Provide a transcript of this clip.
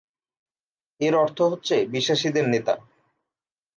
এর অর্থ হচ্ছে "বিশ্বাসীদের নেতা"।